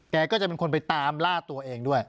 แกก็จะเป็นคนไปตามล่าตัวเองด้วย